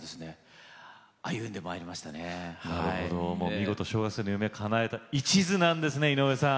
見事小学生の夢をかなえた一途なんですね井上さん。